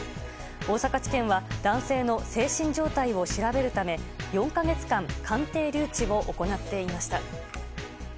大阪地検は男性の精神状態を調べるため４か月間鑑定留置を行っていました。